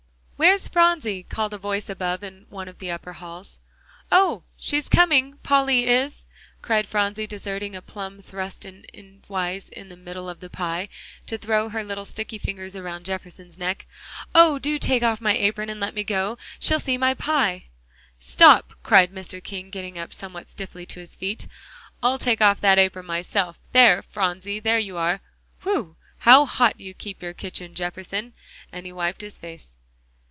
"Where's Phronsie?" called a voice above in one of the upper halls. "Oh! she's coming, Polly is!" cried Phronsie, deserting a plum thrust in endwise in the middle of the pie, to throw her little sticky fingers around Jefferson's neck; "oh! do take off my apron; and let me go. She'll see my pie!" "Stop!" cried Mr. King, getting up somewhat stiffly to his feet, "I'll take off the apron myself. There, Phronsie, there you are. Whew! how hot you keep your kitchen, Jefferson," and he wiped his face.